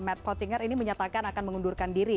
matt pottinger ini menyatakan akan mengundurkan diri